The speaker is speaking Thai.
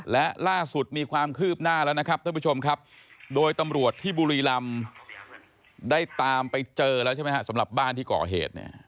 และล่าสุดมีความคืบหน้าแล้วนะครับท่านผู้ชมครับโดยตำรวจที่บุรีรำได้ตามไปเจอแล้วใช่ไหมฮะสำหรับบ้านที่ก่อเหตุเนี่ย